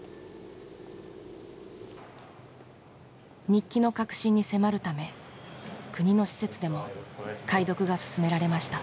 日記の核心に迫るため国の施設でも解読が進められました。